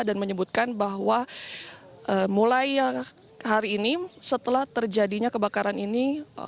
dan menyebutkan bahwa mulai hari ini setelah terjadinya kebakaran ini